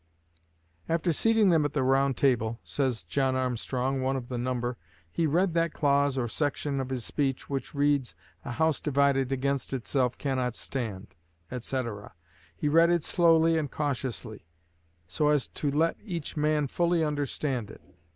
"After seating them at the round table," says John Armstrong, one of the number, "he read that clause or section of his speech which reads, 'a house divided against itself cannot stand,' etc. He read it slowly and cautiously, so as to let each man fully understand it.